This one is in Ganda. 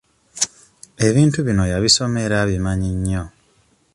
Ebintu bino yabisoma era abimanyi nnyo.